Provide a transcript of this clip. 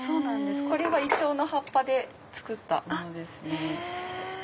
これはイチョウの葉っぱで作ったものですね。